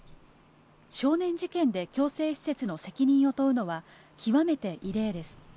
少年事件で矯正施設の責任を問うのは、極めて異例です。